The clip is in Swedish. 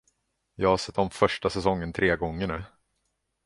Jag har sett om första säsongen tre gånger nu.